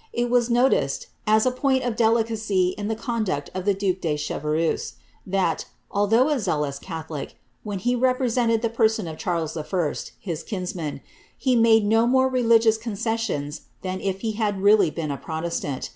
' It was noticed, as a point of delicacy in the conduct of the duke de Chevreuse, that, although a zealous catholic, when he represented the person of Charles L, his kinsman, he made no more religious concessions than if he had mlly been a protestant.